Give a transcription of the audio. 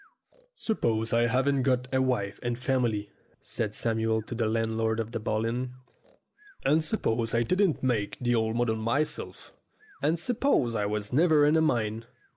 "Suppose I haven't got a wife and family," said Samuel to the landlord of the Bull Inn, "and suppose I didn't make the old model myself, and suppose I was never in a mine.